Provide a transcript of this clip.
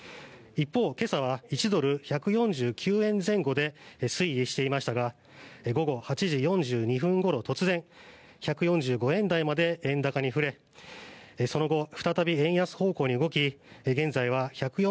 一方、今朝は１ドル＝１４９円前後で推移していましたが午前８時４２分ごろ突然、１４５円台まで円高に振れその後、再び円安方向に動き